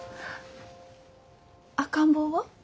赤ん坊は？